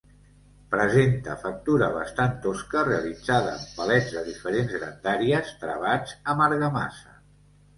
Presenta factura bastant tosca realitzada amb palets de diferents grandàries, travats amb argamassa.